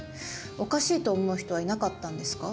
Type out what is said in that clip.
おかしいと思う人はいなかったんですか？